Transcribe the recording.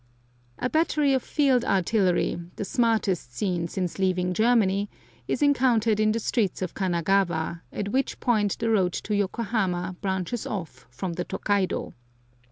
A battery of field artillery, the smartest seen since leaving Germany, is encountered in the streets of Kanagawa, at which point the road to Yokohama branches off from the Tokaido.